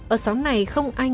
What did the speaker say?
ở xóm này không ai nhớ